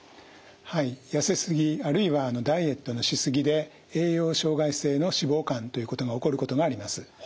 はい痩せすぎあるいはダイエットのし過ぎで栄養障害性の脂肪肝ということが起こることがあります。